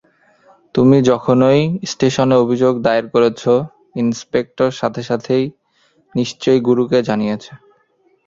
তুমি যখনই স্টেশনে অভিযোগ দায়ের করছো, ইন্সপেক্টর সাথে সাথে নিশ্চয়ই গুরুকে জানিয়েছে।